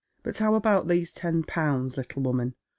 But how about these ten pounds, little woman